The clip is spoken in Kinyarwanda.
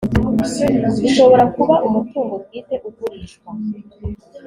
ushobora kuba umutungo bwite ugurishwa